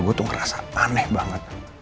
gue tuh ngerasa aneh banget